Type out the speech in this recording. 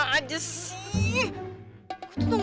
kau harimau kecil